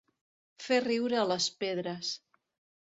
Fer riure a les pedres.